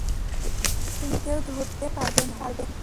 তুমি এমনিতেও ধরতে পারবে না।